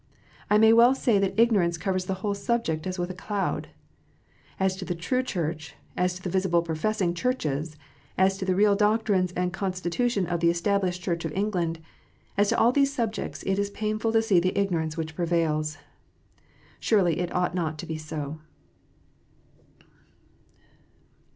I may well say that ignorance covers the whole subject as with a cloud. As to the true Church, as to the visible professing Churches, as to the real doctrines and constitution of the Established Church of England, as to all these subjects, it is painful to see the ignorance which prevails. Surely it ought not to be so.